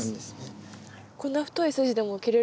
こんな太い筋でも切れるんですね。